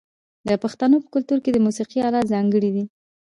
د پښتنو په کلتور کې د موسیقۍ الات ځانګړي دي.